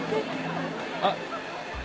あっ。